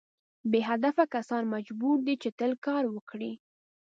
بې هدفه کسان مجبور دي چې تل کار وکړي.